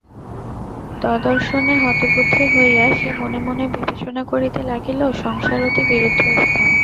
তদ্দর্শনে হতবুদ্ধি হইয়া সে মনে মনে বিবেচনা করিতে লাগিল সংসার অতি বিরুদ্ধ স্থান।